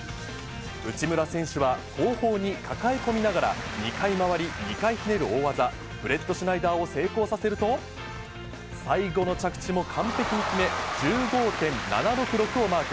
内村選手は、後方に抱え込みながら２回回り２回ひねる大技、ブレットシュナイダーを成功させると、最後の着地も完璧に決め、１５．７６６をマーク。